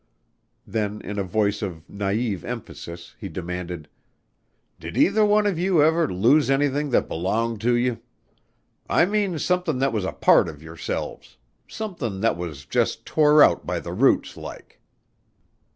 Then in a voice of naïve emphasis he demanded, "Did either one of you ever lose anything that belonged to you? I mean somethin' that was a part of yourselves somethin' that was just tore out by the roots, like?"